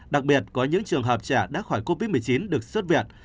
đặc biệt có những trường hợp trẻ đã khỏi covid một mươi chín được xuất viện